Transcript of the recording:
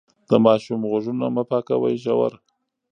د ماشوم غوږونه مه پاکوئ ژور.